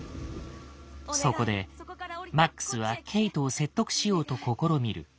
そこでマックスはケイトを説得しようと試みる。